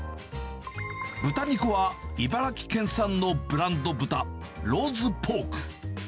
豚肉は茨城県産のブランド豚、ローズポーク。